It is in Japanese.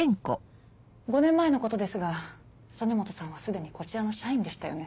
５年前のことですが曽根本さんはすでにこちらの社員でしたよね？